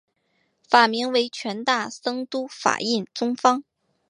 法名为权大僧都法印宗方。